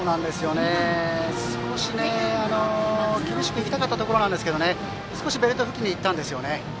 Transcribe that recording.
厳しく行きたかったところですけど少し、ベルト付近に行ったんですよね。